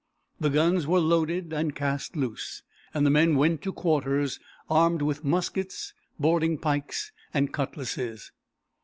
The guns were loaded and cast loose, and the men went to quarters armed with muskets, boarding pikes, and cutlases.